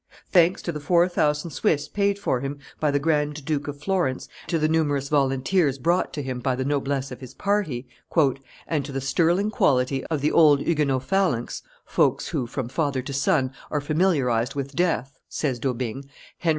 Thanks to the four thousand Swiss paid for him by the Grand Duke of Florence, to the numerous volunteers brought to him by the noblesse of his party, "and to the sterling quality of the old Huguenot phalanx, folks who, from father to son, are familiarized with death," says D'Aubigne, Henry IV.